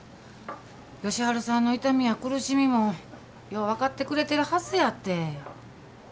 佳晴さんの痛みや苦しみもよう分かってくれてるはずやて。